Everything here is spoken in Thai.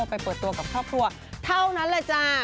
ไปเปิดตัวกับครอบครัวเท่านั้นแหละจ้า